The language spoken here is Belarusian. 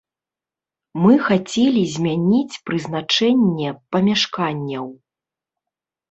Мы хацелі змяніць прызначэнне памяшканняў.